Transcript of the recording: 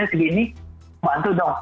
ini segini bantu dong